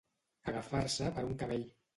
Agafar-se per un cabell.